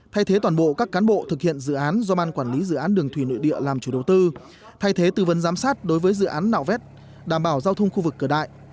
thay thế toàn bộ các cán bộ thực hiện dự án do ban quản lý dự án đường thủy nội địa làm chủ đầu tư thay thế tư vấn giám sát đối với dự án nạo vét đảm bảo giao thông khu vực cửa đại